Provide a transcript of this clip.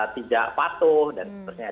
tidak patuh dan seterusnya